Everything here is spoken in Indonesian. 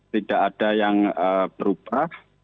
tidak ada yang berubah